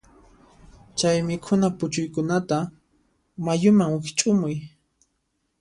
Chay mikhuna puchuykunata mayuman wiqch'umuy.